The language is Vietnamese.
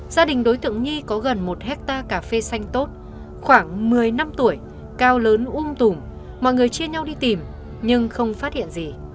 gia đình đối tượng nghi có gần một hectare cà phê xanh tốt khoảng một mươi năm tuổi cao lớn uông tùm mọi người chia nhau đi tìm nhưng không phát hiện gì